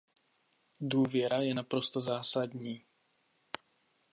Důvěra je naprosto zásadní.